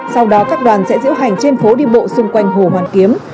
sau đó các đoàn sẽ diễu hành trên phố đi bộ xung quanh hồ hoàn kiếm